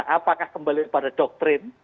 apakah kembali pada doktrin